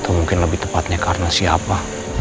atau mungkin lebih tepatnya karena siapa